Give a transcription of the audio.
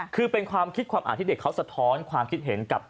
คือเป็นความคิดความอ่านที่เด็กเขาสะท้อนความคิดเห็นกับ